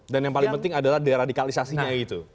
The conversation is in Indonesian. dan yang paling penting adalah deradikalisasinya itu